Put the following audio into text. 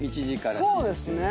そうですね。